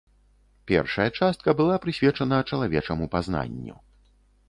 Першая частка была прысвечана чалавечаму пазнанню.